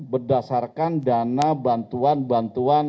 berdasarkan dana bantuan bantuan